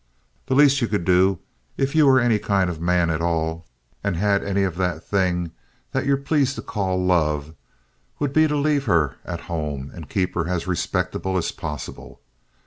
The laist ye could do, if ye were any kind of a man at all, and had any of that thing that ye're plased to call love, would be to lave her at home and keep her as respectable as possible.